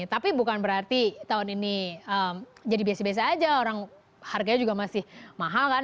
tapi bukan berarti tahun ini jadi biasa biasa aja orang harganya juga masih mahal kan